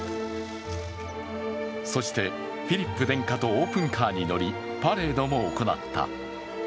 そしてフィリップ殿下とオープンカーに乗りパレードも行った。